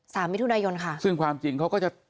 สามมิถุนายนค่ะซึ่งความจริงเขาก็จะ